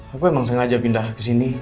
aku emang sengaja pindah kesini